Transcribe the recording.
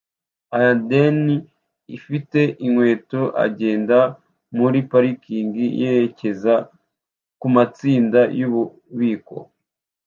a ya denim idafite inkweto agenda muri parikingi yerekeza kumatsinda yububiko